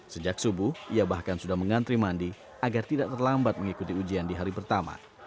sejak subuh ia bahkan sudah mengantri mandi agar tidak terlambat mengikuti ujian di hari pertama